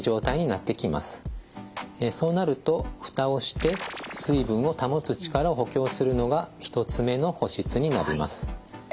そうなると蓋をして水分を保つ力を補強するのが１つ目の保湿になります。